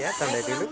siap selamat siang